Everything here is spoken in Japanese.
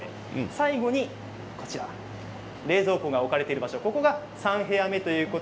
最後に冷蔵庫が置かれている場所が３部屋目です。